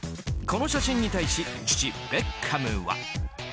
この写真に対し父ベッカムは。